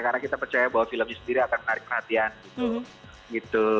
karena kita percaya bahwa filmnya sendiri akan menarik perhatian gitu